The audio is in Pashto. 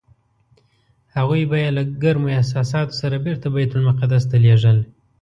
هغوی به یې له ګرمو احساساتو سره بېرته بیت المقدس ته لېږل.